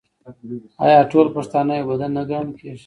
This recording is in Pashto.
آیا ټول پښتانه یو بدن نه ګڼل کیږي؟